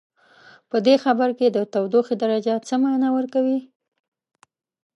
په دې خبر کې د تودوخې درجه څه معنا ورکوي؟